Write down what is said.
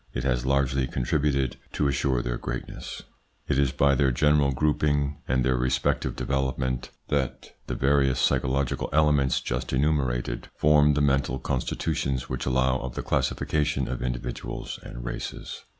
It has largely contributed to assure their greatness. ITS INFLUENCE ON THEIR EVOLUTION 31 It is by their general grouping and their respective development that the various psychological elements just enumerated form the mental constitutions which allow of the classification of individuals and races.